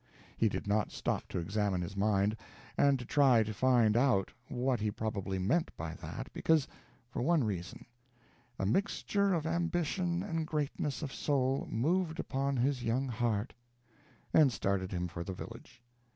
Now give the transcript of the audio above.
He did not stop to examine his mind, and to try to find out what he probably meant by that, because, for one reason, "a mixture of ambition and greatness of soul moved upon his young heart," and started him for the village.